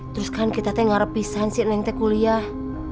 terus kan kita tuh ngarepisan kamu kuliah